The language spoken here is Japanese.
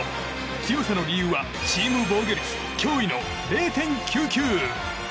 強さの理由は、チーム防御率驚異の０．９９！